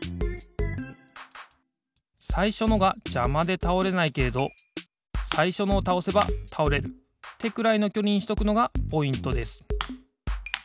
さいしょのがじゃまでたおれないけれどさいしょのをたおせばたおれるってくらいのきょりにしとくのがポイントです。